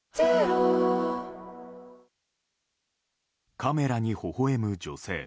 カメラに、ほほ笑む女性。